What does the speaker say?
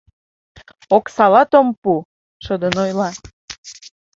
Оксалат ом пу! — шыдын ойла.